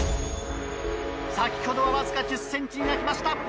先ほどはわずか１０ｃｍに泣きました。